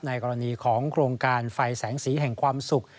กรณีของโครงการไฟแสงสีแห่งความสุข